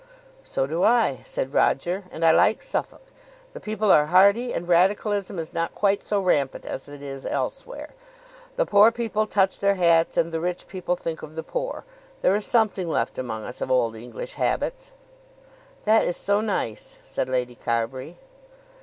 "So do I," said Roger; "and I like Suffolk. The people are hearty, and radicalism is not quite so rampant as it is elsewhere. The poor people touch their hats, and the rich people think of the poor. There is something left among us of old English habits." "That is so nice," said Lady Carbury.